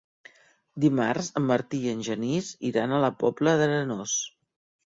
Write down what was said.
Dimarts en Martí i en Genís iran a la Pobla d'Arenós.